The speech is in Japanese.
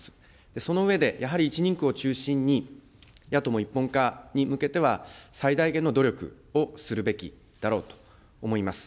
その上でやはり１人区を中心に、野党も一本化に向けては、最大限の努力をするべきだろうと思います。